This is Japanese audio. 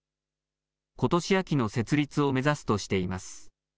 ことし秋の設立を目指すとしています。